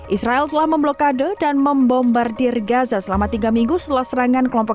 israel telah memblokade dan membombardir gaza selama tiga minggu setelah serangan kelompok